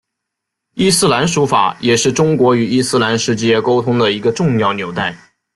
伊斯兰书法也是中国与伊斯兰世界沟通的一个重要纽带。